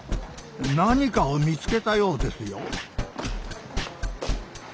何かを見つけたようですよ。